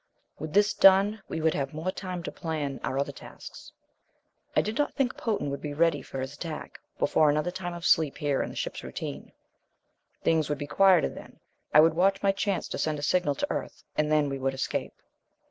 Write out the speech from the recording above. With this done we would have more time to plan our other tasks. I did not think Potan would be ready for his attack before another time of sleep here in the ship's routine. Things would be quieter then; I would watch my chance to send a signal to Earth, and then we would escape.